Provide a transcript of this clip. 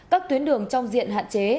các tuyến đường trong diện hạn chế